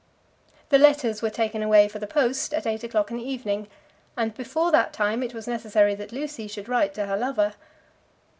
The letters were taken away for the post at eight o'clock in the evening, and before that time it was necessary that Lucy should write to her lover.